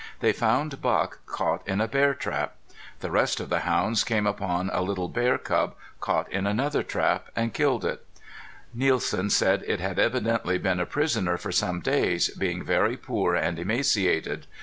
They found Buck caught in a bear trap. The rest of the hounds came upon a little bear cub, caught in another trap, and killed it. Nielsen said it had evidently been a prisoner for some days, being very poor and emaciated.